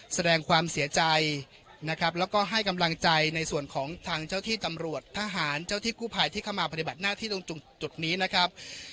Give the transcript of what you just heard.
แสดงความเสียใจนะครับแล้วก็ให้กำลังใจในส่วนของทางเจ้าที่ตำรวจทหารเจ้าที่กู้ภัยที่เข้ามาปฏิบัติหน้าที่ตรงจุดนี้นะครับ